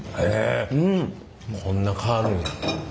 こんな変わるんや。